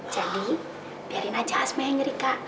jadi biarin aja asma yang ngeri kak